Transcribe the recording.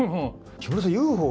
木村さん、ＵＦＯ